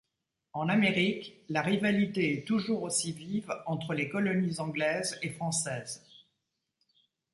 En Amérique, la rivalité est toujours aussi vive entre les colonies anglaises et françaises.